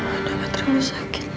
udah menderita sakit